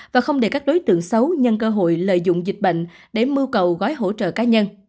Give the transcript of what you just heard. và không để các đối tượng xấu nhân cơ hội lợi dụng dịch bệnh để mưu cầu gói hỗ trợ cá nhân